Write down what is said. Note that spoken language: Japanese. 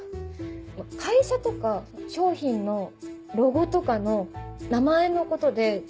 会社とか商品のロゴとかの名前のことでつまり。